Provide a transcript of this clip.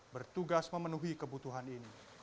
bertugas memenuhi kebutuhan ini